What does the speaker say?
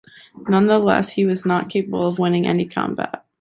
Nonetheless, he was not capable of winning any combat.